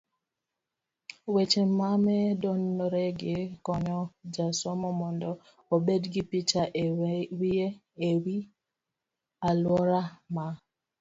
weche mamedoregi konyo jasomo mondo obed gi picha e wiye e wi aluora ma